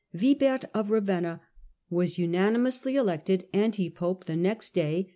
Wibert of Ravenna was unanimously elected anti pope the next day.